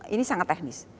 ini sangat teknis